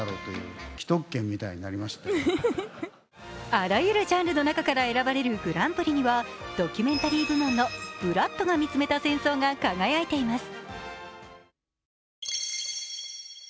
あらゆるジャンルの中から選ばれるグランプリにはドキュメンタリー部門の「ブラッドが見つめた戦争」が輝いています。